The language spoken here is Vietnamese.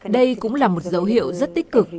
đây cũng là một dấu hiệu rất tích cực